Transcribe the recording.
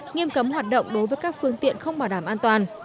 nghiêm cấm hoạt động đối với các phương tiện không bảo đảm an toàn